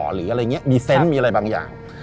หรืออะไรอย่างนี้มีเซนต์มีอะไรบางอย่าง